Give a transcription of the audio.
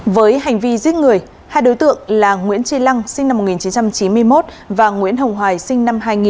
với hành vi giết người hai đối tượng là nguyễn tri lăng sinh năm một nghìn chín trăm chín mươi một và nguyễn hồng hoài sinh năm hai nghìn